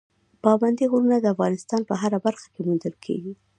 پابندي غرونه د افغانستان په هره برخه کې موندل کېږي.